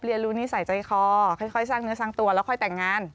เรียนรู้นิสัยใจคอค่อยสร้างเนื้อสร้างตัวแล้วค่อยแต่งงาน